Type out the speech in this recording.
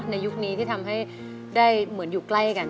ยุคนี้ที่ทำให้ได้เหมือนอยู่ใกล้กัน